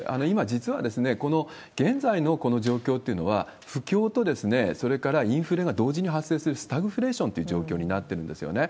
実は現在のこの状況というのは、不況と、それからインフレが同時に発生する、スタグフレーションという状況になってるんですよね。